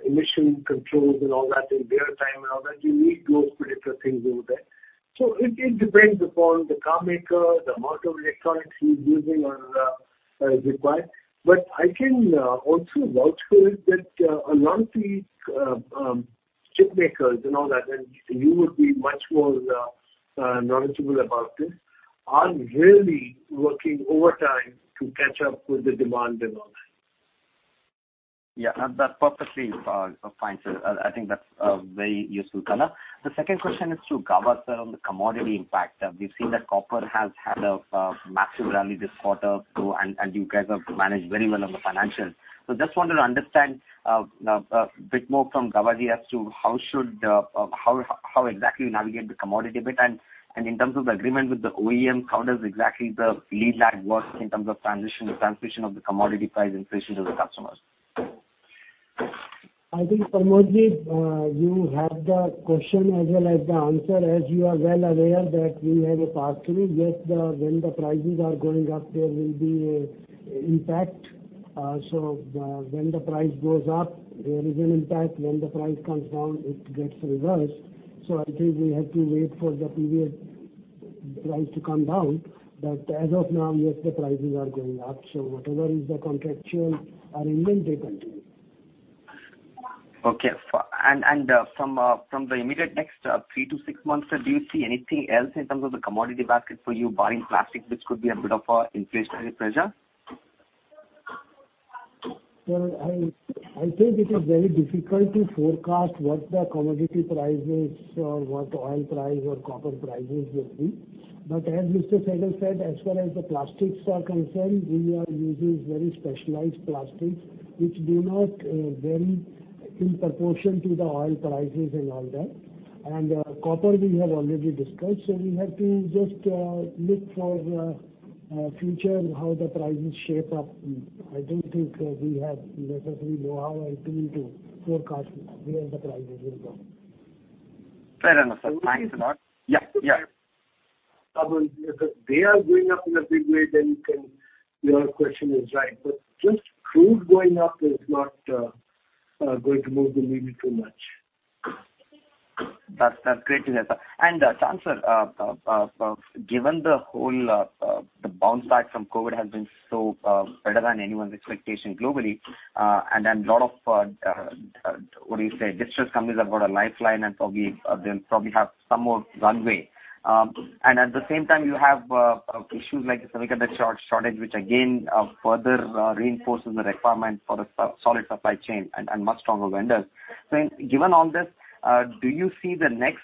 emission controls and all that in real time and all that, you need those particular things over there. So it depends upon the carmaker, the amount of electronics he's using as required. But I can also vouch for it that a lot of the chip makers and all that, and you would be much more knowledgeable about this, are really working overtime to catch up with the demand and all that. Yeah. That perfectly applies, sir. I think that's a very useful color. The second question is to Gauba, sir, on the commodity impact. We've seen that copper has had a massive rally this quarter, and you guys have managed very well on the financials. So just wanted to understand a bit more from Gauba as to how exactly you navigate the commodity bit. And in terms of the agreement with the OEMs, how does exactly the lead lag work in terms of transition of the commodity price inflation to the customers? I think, Pramodji, you have the question as well as the answer. As you are well aware that we have a pass-through. Yes, when the prices are going up, there will be an impact. So when the price goes up, there is an impact. When the price comes down, it gets reversed. So I think we have to wait for the previous price to come down. But as of now, yes, the prices are going up. So whatever is the contractual arrangement, they continue. Okay. And from the immediate next three to six months, sir, do you see anything else in terms of the commodity basket for you buying plastic, which could be a bit of an inflationary pressure? I think it is very difficult to forecast what the commodity prices or what oil price or copper prices will be. But as Mr. Sehgal said, as far as the plastics are concerned, we are using very specialized plastics, which do not vary in proportion to the oil prices and all that. And copper, we have already discussed. So we have to just look for future how the prices shape up. I don't think we have necessarily know-how and tool to forecast where the prices will go. Fair enough. Thanks, sir. Thank you. Yeah. Yeah. Problems. If they are going up in a big way, then your question is right. But just crude going up is not going to move the needle too much. That's great to hear, sir. And Chand sir, given the whole bounce back from COVID has been so better than anyone's expectation globally, and then a lot of, what do you say, distressed companies have got a lifeline and probably they'll have some more runway. And at the same time, you have issues like the semiconductor shortage, which again further reinforces the requirement for a solid supply chain and much stronger vendors. So given all this, do you see the next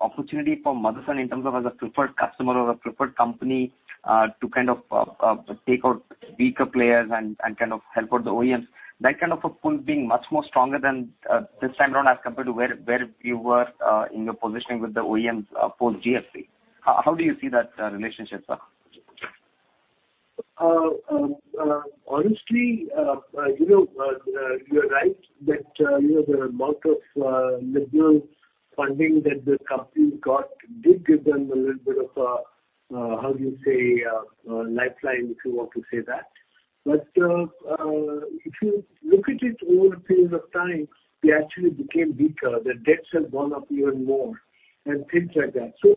opportunity for Motherson in terms of as a preferred customer or a preferred company to kind of take out weaker players and kind of help out the OEMs, that kind of a pull being much more stronger than this time around as compared to where you were in your positioning with the OEMs post-GFC? How do you see that relationship, sir? Honestly, you're right that the amount of liberal funding that the company got did give them a little bit of, how do you say, lifeline, if you want to say that. But if you look at it over a period of time, they actually became weaker. The debts have gone up even more and things like that. So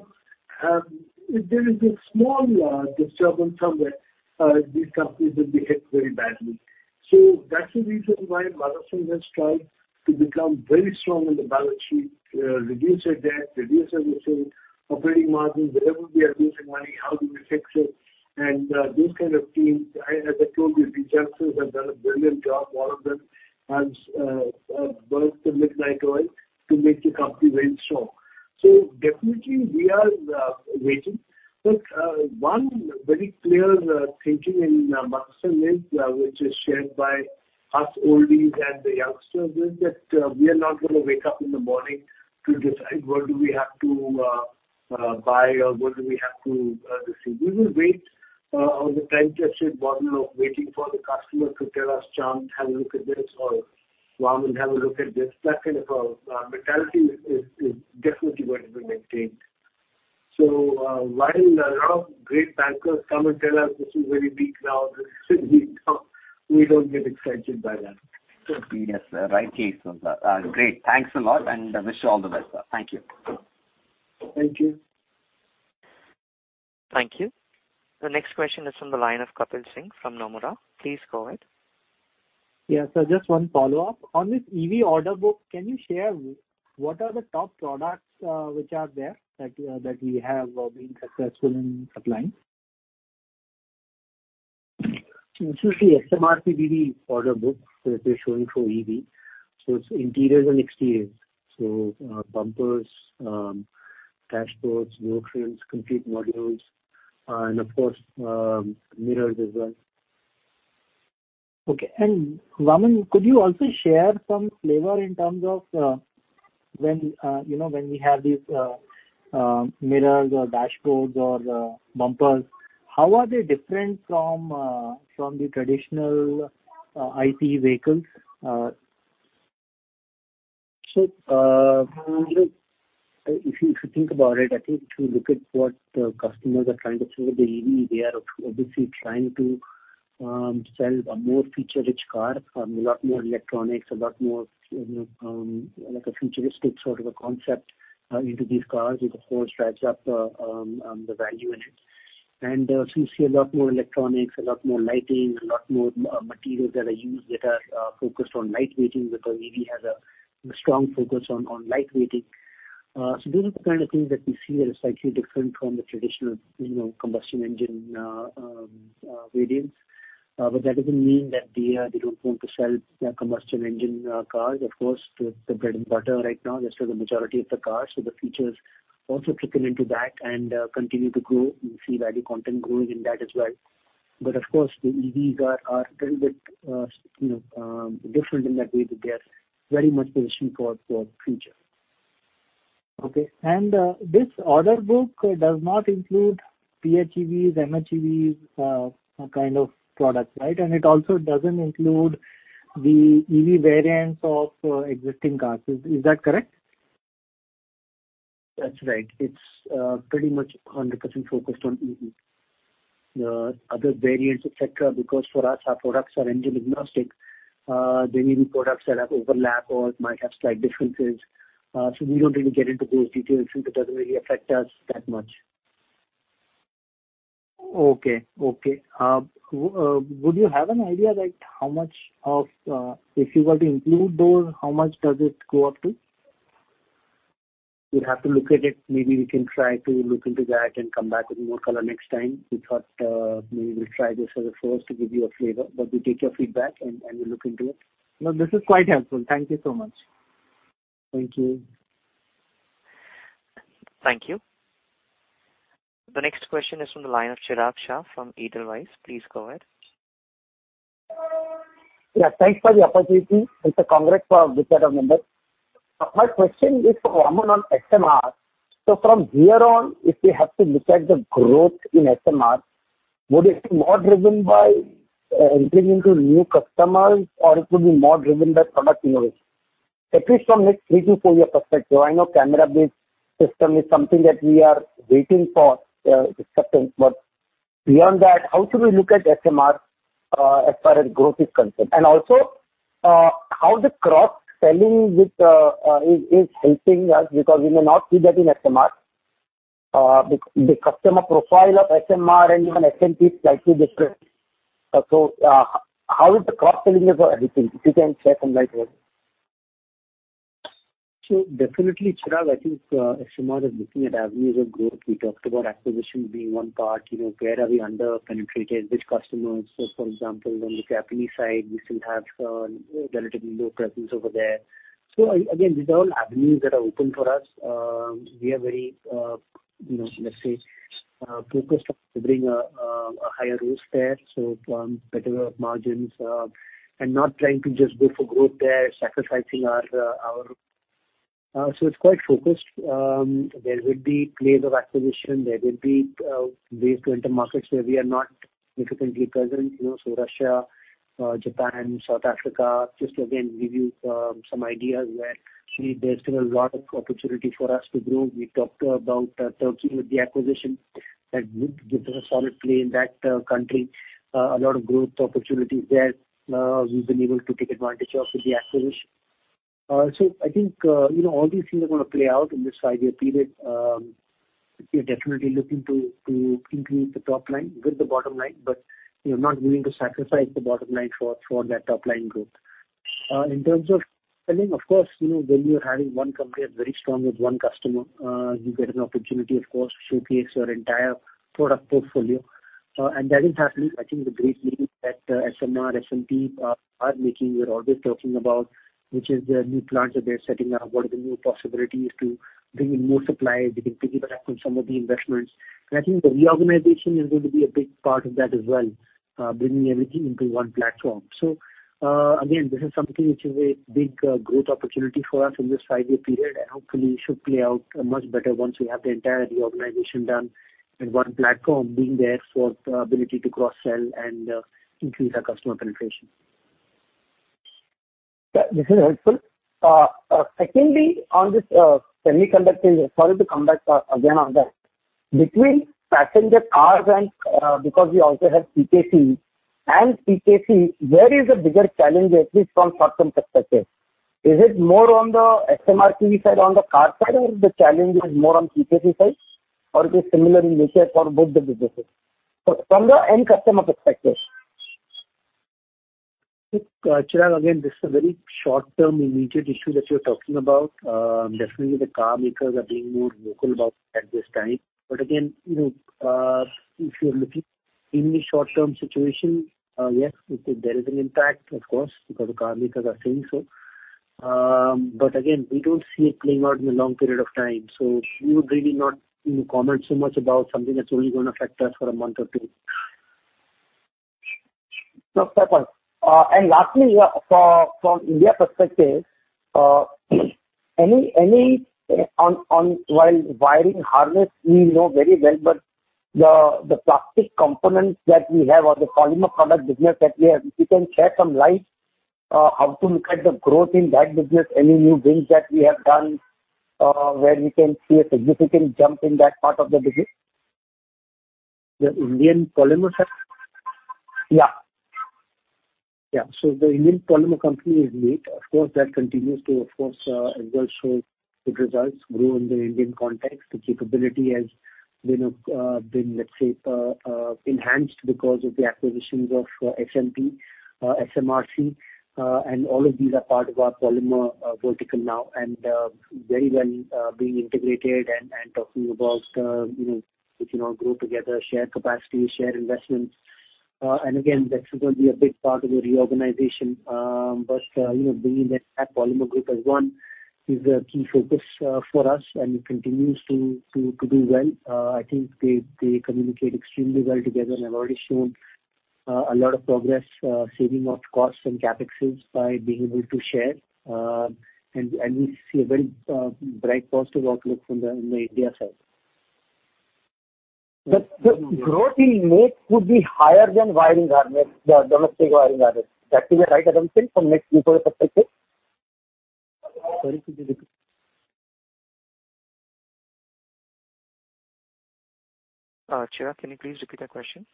if there is a small disturbance somewhere, these companies will be hit very badly. So that's the reason why Motherson has tried to become very strong on the balance sheet, reduce their debt, reduce everything, operating margins, wherever we are losing money, how do we fix it? And those kind of teams, as I told you, these youngsters have done a brilliant job. All of them have worked the midnight oil to make the company very strong. So definitely, we are waiting. But one very clear thinking in Motherson, which is shared by us oldies and the youngsters, is that we are not going to wake up in the morning to decide what do we have to buy or what do we have to receive. We will wait on the time-tested model of waiting for the customer to tell us, "Chand, have a look at this," or, "Waman, have a look at this." That kind of mentality is definitely going to be maintained. So while a lot of great bankers come and tell us, "This is very weak now, this is very weak now," we don't get excited by that. Yes. Rightly so, sir. Great. Thanks a lot, and I wish you all the best, sir. Thank you. Thank you. Thank you. The next question is from the line of Kapil Singh from Nomura. Please go ahead. Yeah. So just one follow-up. On this EV order book, can you share what are the top products which are there that we have been successful in supplying? This is the SMR PBV order book that we're showing for EV. So it's interiors and exteriors. So bumpers, dashboards, wheel frames, compute modules, and of course, mirrors as well. Okay. Waman, could you also share some flavor in terms of when we have these mirrors or dashboards or bumpers, how are they different from the traditional ICE vehicles? So if you think about it, I think if you look at what the customers are trying to throw at the EV, they are obviously trying to sell a more feature-rich car, a lot more electronics, a lot more like a futuristic sort of a concept into these cars that of course drives up the value in it. And so you see a lot more electronics, a lot more lighting, a lot more materials that are used that are focused on lightweighting, where the EV has a strong focus on lightweighting. So those are the kind of things that we see that are slightly different from the traditional combustion engine variants. But that doesn't mean that they don't want to sell combustion engine cars. Of course, the bread and butter right now, just for the majority of the cars. So the features also trickle into that and continue to grow and see value content growing in that as well. But of course, the EVs are a little bit different in that way that they are very much positioned for the future. Okay. And this order book does not include PHEVs, MHEVs kind of products, right? And it also doesn't include the EV variants of existing cars. Is that correct? That's right. It's pretty much 100% focused on EV. The other variants, etc., because for us, our products are engine-agnostic. There may be products that have overlap or might have slight differences. So we don't really get into those details. It doesn't really affect us that much. Would you have an idea how much of it if you were to include those, how much does it go up to? We'd have to look at it. Maybe we can try to look into that and come back with more color next time. We thought maybe we'll try this as a first to give you a flavor. But we take your feedback and we'll look into it. No, this is quite helpful. Thank you so much. Thank you. Thank you. The next question is from the line of Chirag Shah from Edelweiss. Please go ahead. Yeah. Thanks for the opportunity. It's a congrats for our group set of members. My question is for Waman on SMR. So from here on, if we have to look at the growth in SMR, would it be more driven by entering into new customers, or it would be more driven by product innovation? At least from this three- to four-year perspective, I know camera-based system is something that we are waiting for discussion. But beyond that, how should we look at SMR as far as growth is concerned? And also, how the cross-selling is helping us because we may not see that in SMR? The customer profile of SMR and even SMP is slightly different. So how is the cross-selling for everything? If you can share some light on it. So definitely, Chirag, I think SMR is looking at avenues of growth. We talked about acquisition being one part. Where are we under-penetrated? Which customers? For example, on the Japanese side, we still have a relatively low presence over there. So again, these are all avenues that are open for us. We are very, let's say, focused on delivering a higher risk there, so better margins, and not trying to just go for growth there, sacrificing our so it's quite focused. There will be plays of acquisition. There will be ways to enter markets where we are not significantly present. So Russia, Japan, South Africa, just to again give you some ideas where there's still a lot of opportunity for us to grow. We talked about Turkey with the acquisition that would give us a solid play in that country. A lot of growth opportunities there we've been able to take advantage of with the acquisition. So I think all these things are going to play out in this five-year period. We are definitely looking to increase the top line with the bottom line, but we are not willing to sacrifice the bottom line for that top line growth. In terms of selling, of course, when you're having one company that's very strong with one customer, you get an opportunity, of course, to showcase your entire product portfolio. And that is happening. I think the great leap that SMR, SMP are making, we're always talking about, which is the new plans that they're setting up. What are the new possibilities to bring in more suppliers? You can piggyback on some of the investments. I think the reorganization is going to be a big part of that as well, bringing everything into one platform. Again, this is something which is a big growth opportunity for us in this five-year period, and hopefully, it should play out much better once we have the entire reorganization done and one platform being there for the ability to cross-sell and increase our customer penetration. This is helpful. Secondly, on this semiconductor, sorry to come back again on that. Between passenger cars and because we also have PKC, and PKC, where is the bigger challenge, at least from short-term perspective? Is it more on the SMR side on the car side, or is the challenge more on PKC side, or is it similar in nature for both the businesses? From the end customer perspective. Chirag, again, this is a very short-term immediate issue that you're talking about. Definitely, the car makers are being more vocal about it at this time. But again, if you're looking in the short-term situation, yes, there is an impact, of course, because the car makers are saying so. But again, we don't see it playing out in the long period of time. So we would really not comment so much about something that's only going to affect us for a month or two. No problem. Lastly, from India perspective, while wiring harness, we know very well, but the plastic components that we have or the polymer product business that we have, if you can shed some light, how to look at the growth in that business, any new wins that we have done where we can see a significant jump in that part of the business? The Indian polymer side? Yeah. Yeah. So the Indian polymer company is great. Of course, that continues to show good results, grow in the Indian context. The capability has been, let's say, enhanced because of the acquisitions of SMP, SMRC, and all of these are part of our polymer vertical now and very well being integrated, talking about which all grow together, share capacity, share investments. And again, that's going to be a big part of the reorganization. But bringing that polymer group as one is a key focus for us and continues to do well. I think they communicate extremely well together and have already shown a lot of progress, saving off costs and CAPEXes by being able to share. And we see a very bright positive outlook from the India side. The growth in NAICS would be higher than wiring harness, the domestic wiring harness. Is that right, Adam Singh, from NAICS people's perspective? Sorry? Chirag, can you please repeat that question?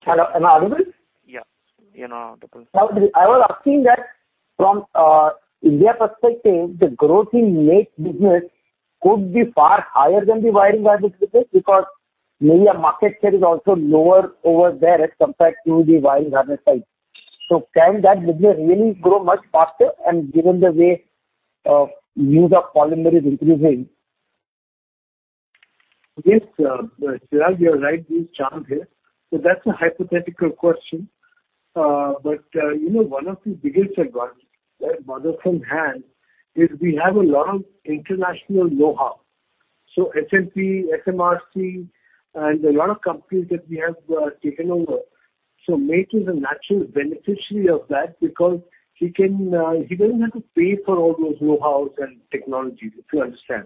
Hello. Am I audible? Yeah. You're now audible. I was asking that from India perspective, the growth in NAICS business could be far higher than the wiring harness business because maybe a market share is also lower over there as compared to the wiring harness side. So can that business really grow much faster, given the way use of polymer is increasing? Yes. Chirag, you're right, this is Chand here. So that's a hypothetical question. But one of the biggest advantages that Motherson has is we have a lot of international know-how. So SMP, SMRC, and a lot of companies that we have taken over. So NAICS is a natural beneficiary of that because he doesn't have to pay for all those know-hows and technologies, if you understand.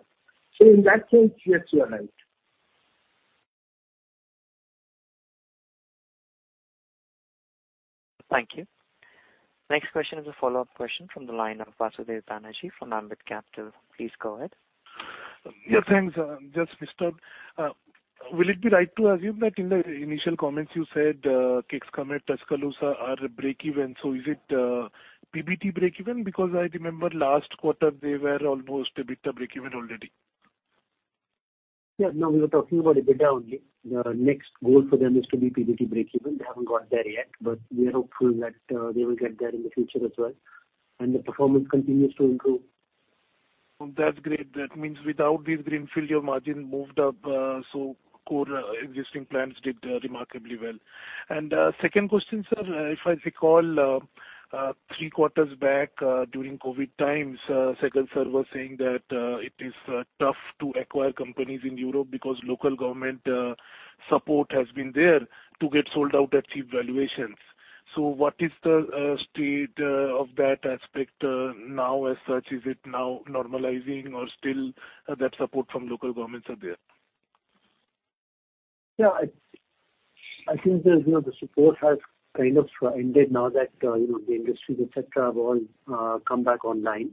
So in that sense, yes, you are right. Thank you. Next question is a follow-up question from the line of Basudeb Banerjee from Ambit Capital. Please go ahead. Yeah. Thanks, just Mr. Will it be right to assume that in the initial comments you said Kecskemét, Tuscaloosa are breakeven, so is it PBT breakeven? Because I remember last quarter they were almost EBITDA breakeven already. Yeah. No, we were talking about EBITDA only. The next goal for them is to be PBT breakeven. They haven't got there yet, but we are hopeful that they will get there in the future as well and the performance continues to improve. That's great. That means without this greenfield, your margin moved up, so core existing plants did remarkably well, and second question, sir, if I recall, three quarters back during COVID times, Sehgal sir was saying that it is tough to acquire companies in Europe because local government support has been there to get sold out at cheap valuations, so what is the state of that aspect now as such? Is it now normalizing or still that support from local governments are there? Yeah. I think the support has kind of ended now that the industries, etc., have all come back online.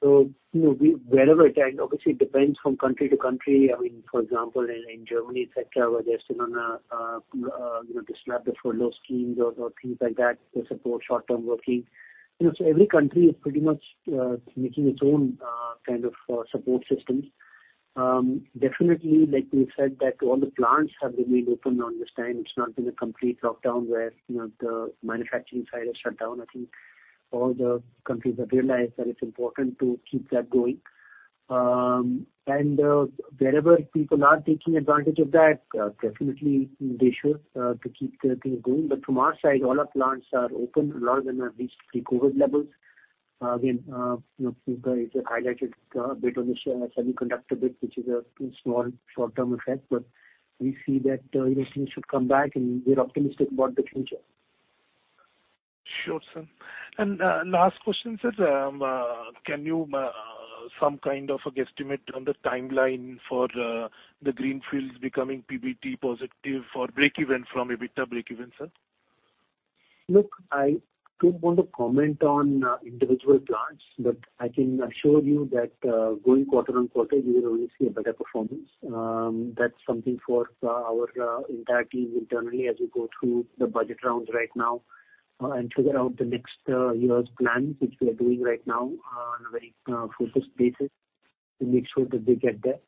So wherever it ends, obviously, it depends from country to country. I mean, for example, in Germany, etc., where they're still on the short-time work schemes or things like that, the support short-term working. So every country is pretty much making its own kind of support systems. Definitely, like we said, that all the plants have remained open during this time. It's not been a complete lockdown where the manufacturing side has shut down. I think all the countries have realized that it's important to keep that going. And wherever people are taking advantage of that, definitely they should, to keep things going. But from our side, all our plants are open. A lot of them are at least pre-COVID levels. Again, P&L is highlighted a bit on the semiconductor bit, which is a small short-term effect, but we see that things should come back, and we're optimistic about the future. Sure, sir. And last question, sir, can you some kind of a guesstimate on the timeline for the greenfields becoming PBT positive or breakeven from EBITDA breakeven, sir? Look, I don't want to comment on individual plants, but I can assure you that going quarter on quarter, we will always see a better performance. That's something for our entire team internally as we go through the budget rounds right now and figure out the next year's plans, which we are doing right now on a very focused basis to make sure that they get there.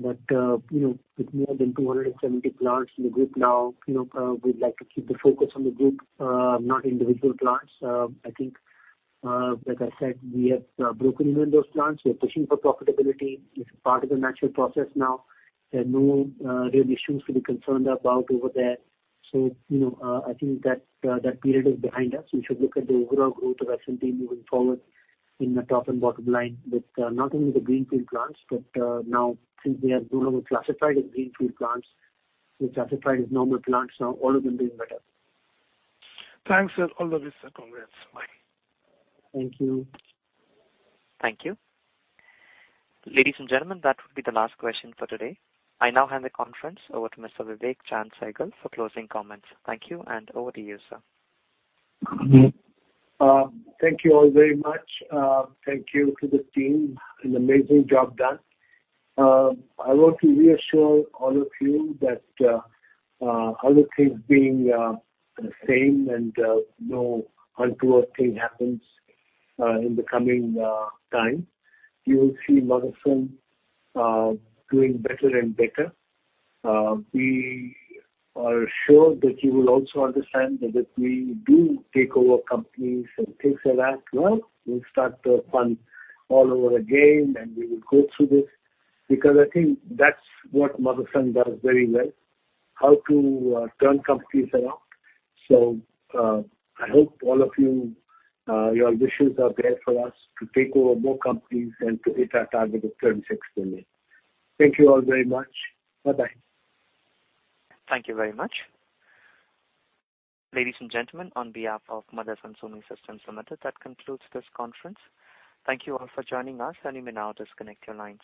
But with more than 270 plants in the group now, we'd like to keep the focus on the group, not individual plants. I think, like I said, we have broken even those plants. We're pushing for profitability. It's part of the natural process now. There are no real issues to be concerned about over there. So I think that period is behind us. We should look at the overall growth of SMP moving forward in the top and bottom line with not only the greenfield plants, but now since they are no longer classified as greenfield plants, they're classified as normal plants. Now all of them doing better. Thanks, sir. All the best. Congrats. Bye. Thank you. Thank you. Ladies and gentlemen, that would be the last question for today. I now hand the conference over to Mr. Vivek Chaand Sehgal for closing comments. Thank you, and over to you, sir. Thank you all very much. Thank you to the team. An amazing job done. I want to reassure all of you that other things being the same and no untoward thing happens in the coming time, you will see Motherson doing better and better. We are sure that you will also understand that if we do take over companies and things like that, well, we'll start the fun all over again, and we will go through this because I think that's what Motherson does very well, how to turn companies around. So I hope all of you, your wishes are there for us to take over more companies and to hit our target of 36 million. Thank you all very much. Bye-bye. Thank you very much. Ladies and gentlemen, on behalf of Motherson Sumi Systems Limited, that concludes this conference. Thank you all for joining us. In a minute, I'll disconnect your lines.